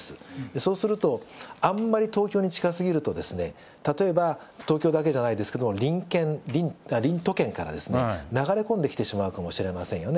そうすると、あんまり東京に近すぎると、例えば東京だけじゃないですけれども、隣都県から流れ込んできてしまうかもしれませんよね。